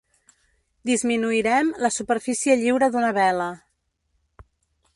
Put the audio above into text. Disminuirem la superfície lliure d'una vela.